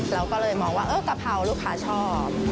เราก็เลยมองว่ากะเพราลูกค้าชอบ